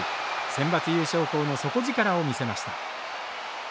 センバツ優勝校の底力を見せました。